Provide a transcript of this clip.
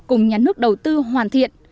cùng nhà nước đầu tư hoàn thiện